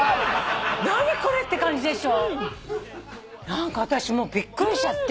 何か私びっくりしちゃって。